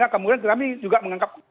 kemudian kita juga menganggap